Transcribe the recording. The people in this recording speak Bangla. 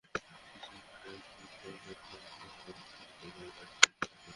মিসেস বেইলক, পাঁচ মিনিটের মধ্যে ওকে রেডি করে গাড়িতে নিয়ে আসুন।